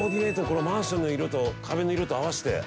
このマンションの色と壁の色と合わせて。